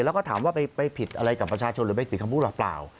แล้วก็ถามว่าไปผิดอะไรกับประชาชนหรือไปผิดคำพูดหรือเปล่า